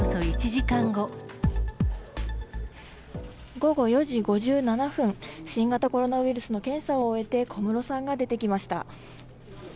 午後４時５７分、新型コロナウイルスの検査を終えて、小室さんが出てきました。